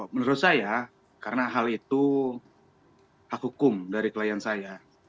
menurut saya karena hal itu hak hukum dari klien saya